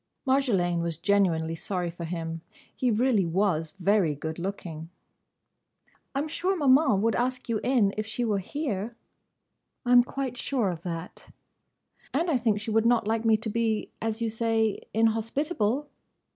Marjolaine was genuinely sorry for him. He really was very good looking. "I'm sure Maman would ask you in, if she were here." "I 'm quite sure of that." "And I think she would not like me to be—as you say—inhospitable."